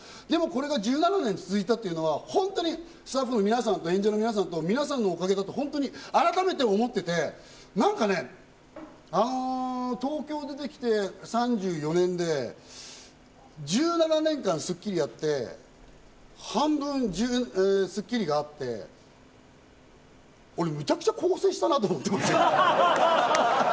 １７年続いたのは本当にスタッフの皆さんと演者の皆さんと、皆さんのおかげだと改めて思っていて、東京に出てきて３４年で、１７年間『スッキリ』やって、半分『スッキリ』があって、俺、むちゃくちゃ更生したなと思ってますよ。